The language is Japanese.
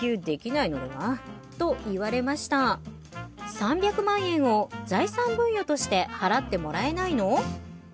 ３００万円を財産分与として払ってもらえないの？